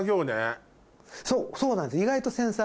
そうそうなんです。